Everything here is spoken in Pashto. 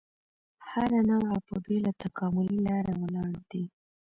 هره نوعه په بېله تکاملي لاره ولاړ دی.